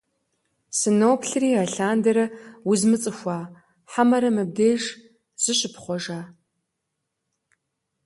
Сыноплъри, алъандэрэ узмыцӀыхуа, хьэмэрэ мыбдеж зыщыпхъуэжа?!